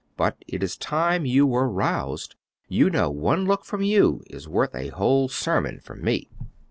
But it is time you were roused; you know one look from you is worth a whole sermon from me.